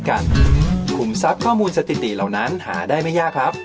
กลุ่มซักข้อมูลสถิติเหล่านั้นหาได้ไม่ยากครับ